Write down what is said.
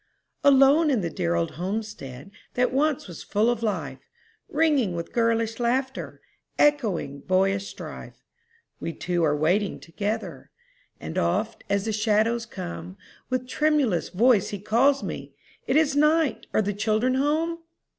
Alone in the dear old homestead That once was full of life, Ringing with girlish laughter, Echoing boyish strife, We two are waiting together; And oft, as the shadows come, With tremulous voice he calls me, "It is night! are the children home?"